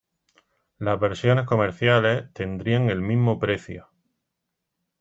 Las versiones comerciales tendrían el mismo precio.